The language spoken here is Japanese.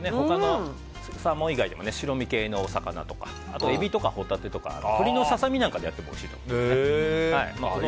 サーモン以外にも白身系のお魚とかあとエビとかホタテとか鶏のささ身なんかでやってもおいしいと思います。